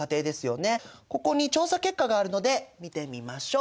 ここに調査結果があるので見てみましょう。